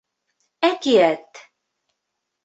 Әкиәт